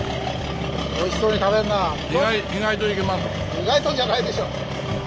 意外とじゃないでしょう！